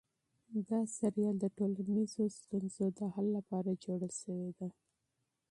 دا ډرامه د ټولنیزو ستونزو د حل لپاره جوړه شوې ده.